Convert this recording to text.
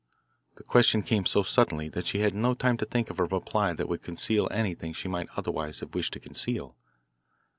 The question came so suddenly that she had no time to think of a reply that would conceal anything she might otherwise have wished to conceal.